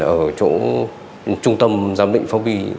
ở chỗ trung tâm giám định pháp y